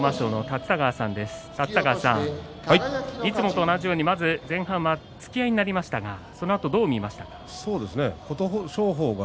立田川さん、いつもと同じように前半は突き合いとなりましたがそのあとどう見ましたか。